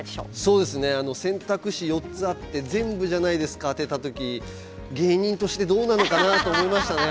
そうですねあの選択肢４つあって全部じゃないですか当てた時芸人としてどうなのかなと思いましたね。